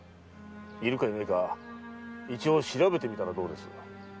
いるかいないか一応調べてみたらどうです？